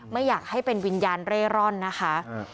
ไม่อยากให้เป็นวิญญาณเร่ร่อนนะคะ